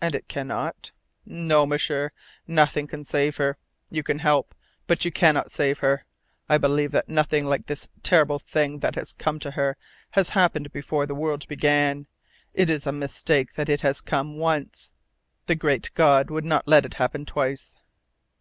"And it cannot?" "No, M'sieur. Nothing can save her. You can help, but you cannot save her. I believe that nothing like this terrible thing that has come to her has happened before since the world began. It is a mistake that it has come once. The Great God would not let it happen twice."